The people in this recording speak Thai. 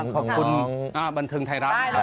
ขอบคุณบันเทิงไทยรัฐ